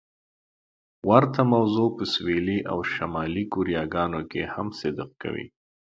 ورته موضوع په سویلي او شمالي کوریاګانو کې هم صدق کوي.